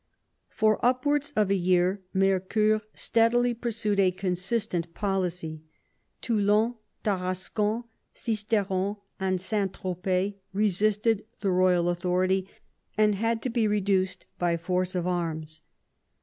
For upwards of a year Mercoeur steadily pursued a consistent policy. Toulon, Tarascon, Sisteron, and Saint Tropez resisted the royal authority and had to be reduced by force of arms.